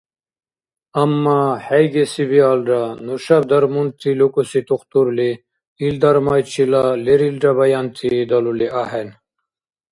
Амма, хӀейгеси биалра, нушаб дармунти лукӀуси тухтурли ил дармайчила лерилра баянти далули ахӀен.